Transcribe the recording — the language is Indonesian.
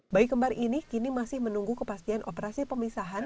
bayi kembar ini kini masih menunggu kepastian operasi pemisahan